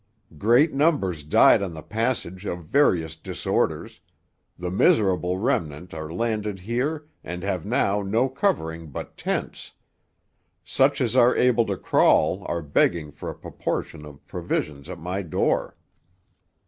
Great numbers died on the passage of various disorders the miserable remnant are landed here and have now no covering but tents. Such as are able to crawl are begging for a proportion of provisions at my door.'